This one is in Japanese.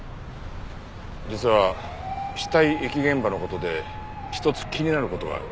実は死体遺棄現場の事で一つ気になる事がある。